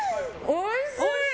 おいしい！